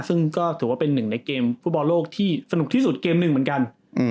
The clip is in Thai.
ซึ่งก็ถือว่าเป็นหนึ่งในเกมฟุตบอลโลกที่สนุกที่สุดเกมหนึ่งเหมือนกัน